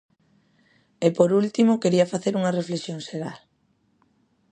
E, por último, quería facer unha reflexión xeral.